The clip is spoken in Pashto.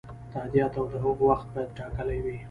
تادیات او د هغو وخت باید ټاکلی وي.